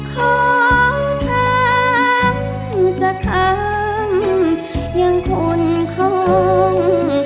ขอทำสักคำยังคุ้นคง